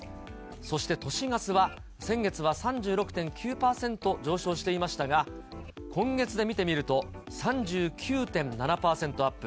そして都市ガスは、先月は３６．９％上昇していましたが、今月で見てみると、３９．７％アップ。